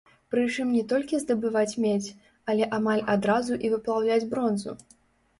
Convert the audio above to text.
Прычым не толькі здабываць медзь, але амаль адразу і выплаўляць бронзу.